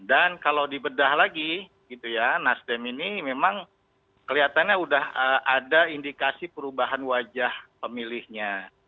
dan kalau di bedah lagi gitu ya nasdem ini memang kelihatannya udah ada indikasi perubahan wajah pemilihnya